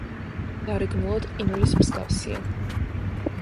გარეგნულად ყინულის მსგავსია.